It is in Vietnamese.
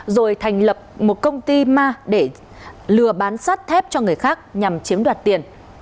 rồi thành lập một công ty ma để lừa bán sắt thép cho người khác nhằm chiếm đoạt tiền